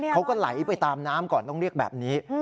เขาก็ไหลไปตามน้ำก่อนต้องเรียกแบบนี้